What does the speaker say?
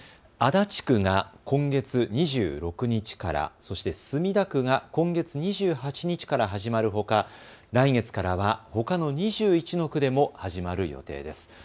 足立区が今月２６日から、そして墨田区が今月２８日から始まるほか、来月からは、ほかの２１の区でも始まる予定です。